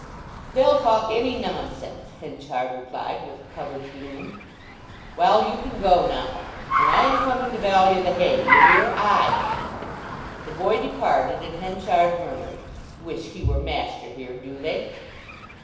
"They'll talk any nonsense," Henchard replied with covered gloom. "Well, you can go now. And I am coming to value the hay, d'ye hear?—I." The boy departed, and Henchard murmured, "Wish he were master here, do they?"